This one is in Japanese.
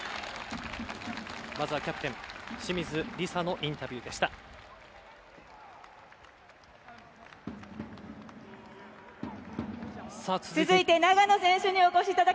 まずキャプテン清水梨紗のインタビューでした。